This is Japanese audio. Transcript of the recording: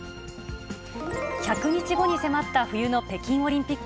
１００日後に迫った冬の北京オリンピック。